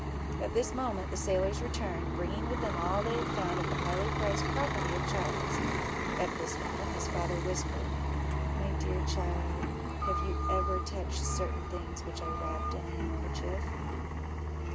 At this moment the sailors returned, bringing with them all they had found of the highly prized property of Charles. At this moment his father whispered—"My dear child, have you ever touched certain things which I wrapped in a handkerchief?"